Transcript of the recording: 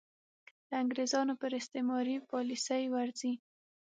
د انګرېزانو پر استعماري پالیسۍ ورځي.